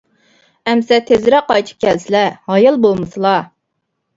— ئەمىسە تېزرەك قايتىپ كەلسىلە، ھايال بولمىسىلا.